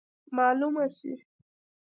معلومه سي.